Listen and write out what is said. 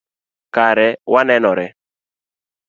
Kare wanenore